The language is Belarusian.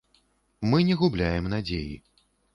Мы не губляем надзеі.